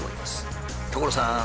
所さん！